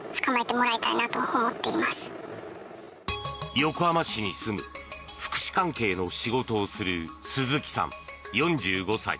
横浜市に住む福祉関係の仕事をする鈴木さん、４５歳。